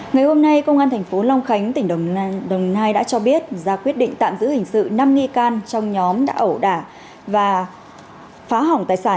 ngày hôm nay công an thành phố long khánh tỉnh đồng nai đã cho biết ra quyết định tạm giữ hình sự năm nghi can trong nhóm đã ẩu đả và phá hỏng tài sản